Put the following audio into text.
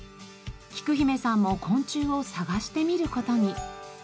きく姫さんも昆虫を探してみる事に。